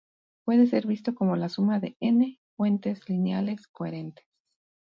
Puede ser visto como la suma de N fuentes lineales coherentes.